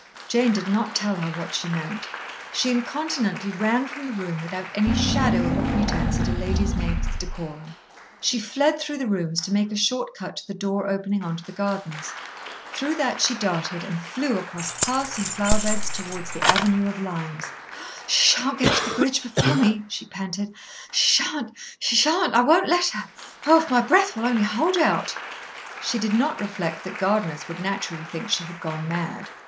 Jane did not tell her what she meant. She incontinently ran from the room without any shadow of a pretence at a lady's maid's decorum. She fled through the rooms, to make a short cut to the door opening on to the gardens. Through that she darted, and flew across paths and flowerbeds towards the avenue of limes. "She shan't get to the bridge before me," she panted. "She shan't, she shan't. I won't let her. Oh, if my breath will only hold out!" She did not reflect that gardeners would naturally think she had gone mad.